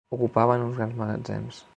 Ocupaven uns grans magatzems